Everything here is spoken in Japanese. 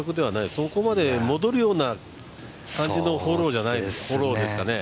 そこまで戻るような感じのフォローではないですかね。